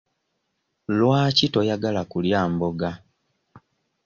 Lwaki toyagala kulya mboga?